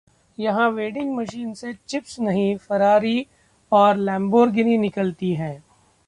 यहां vending machine से chips नहीं, फरारी और लेम्बोर्गिनी निकलती है